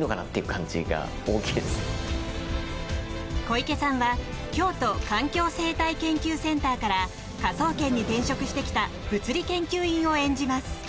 小池さんは京都環境生態研究センターから科捜研に転職してきた物理研究員を演じます。